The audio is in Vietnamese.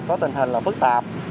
có tình hình là phức tạp